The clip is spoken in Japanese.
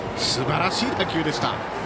すばらしい打球でした。